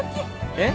えっ？